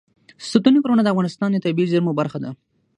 ستوني غرونه د افغانستان د طبیعي زیرمو برخه ده.